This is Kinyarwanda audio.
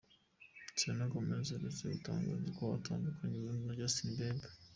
Serena Gomez aherutse gutangaza ko atandukanye burundu na Justin Bieber